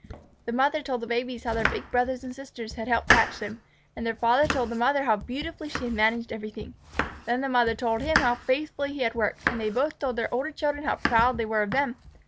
The mother told the babies how their big brothers and sisters had helped hatch them, and the father told the mother how beautifully she had managed everything. Then the mother told him how faithfully he had worked, and they both told the older children how proud they were of them.